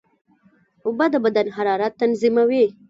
اوبه د بدن حرارت تنظیموي.